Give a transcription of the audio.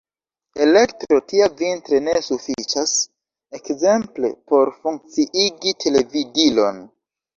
Elektro tia vintre ne sufiĉas ekzemple por funkciigi televidilon.